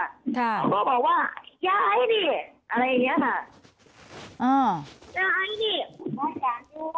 เขาก็บอกว่ายาไอนี่อะไรอย่างนี้ค่ะ